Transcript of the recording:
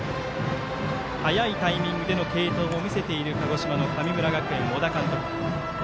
早いタイミングでの継投も見せている鹿児島の神村学園、小田監督。